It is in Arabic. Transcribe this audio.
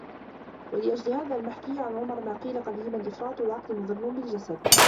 وَلِأَجْلِ هَذَا الْمَحْكِيِّ عَنْ عُمَرَ مَا قِيلَ قَدِيمًا إفْرَاطُ الْعَقْلِ مُضِرٌّ بِالْجَسَدِ